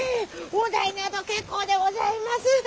お代など結構でございます！